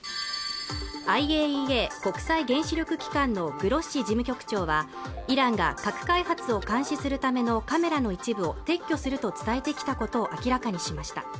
ＩＡＥＡ＝国際原子力機関のグロッシ事務局長はイランが核開発を監視するためのカメラの一部を撤去すると伝えてきたことを明らかにしました